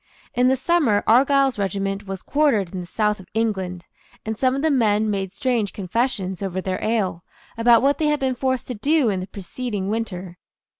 In the summer Argyle's regiment was quartered in the south of England, and some of the men made strange confessions, over their ale, about what they had been forced to do in the preceding winter.